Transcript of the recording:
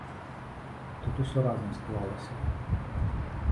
Тут усё разам склалася.